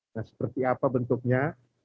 nah seperti apa bentuknya